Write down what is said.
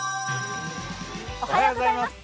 おはようございます。